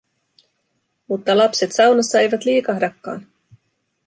Mutta lapset saunassa eivät liikahdakaan.